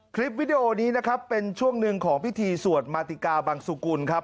คลิปวิดีโอนี้นะครับเป็นช่วงหนึ่งของพิธีสวดมาติกาบังสุกุลครับ